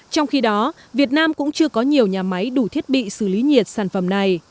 trong khi đó việt nam cũng chưa có nhiều nhà máy đủ thiết bị xử lý nhiệt sản phẩm này